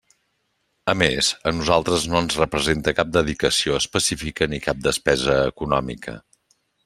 A més, a nosaltres no ens representa cap dedicació específica ni cap despesa econòmica.